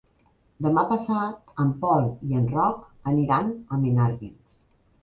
Demà passat en Pol i en Roc aniran a Menàrguens.